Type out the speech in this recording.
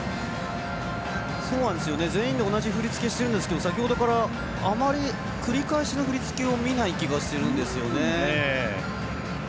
全員で同じ振り付けしてるんですけど先ほどからあまり繰り返しの振り付けを見ない気がするんですよね。